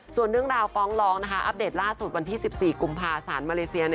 ส่วนเรื่องราวฟ้องร้องอัปเดตล่าสุดวันที่๑๔กุมภาษามาเลเซีย